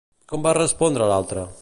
Com va respondre l'altre?